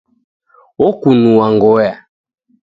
Okunua ngoya